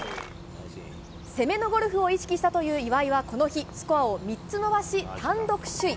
攻めのゴルフを意識したという岩井はこの日、スコアを３つ伸ばし単独首位。